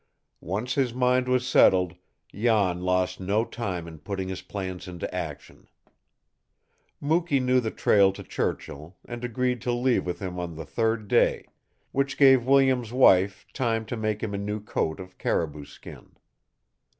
Once his mind was settled, Jan lost no time in putting his plans into action. Mukee knew the trail to Churchill, and agreed to leave with him on the third day which gave Williams' wife time to make him a new coat of caribou skin.